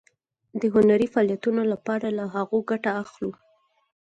د هنري فعالیتونو لپاره له هغو ګټه اخلو.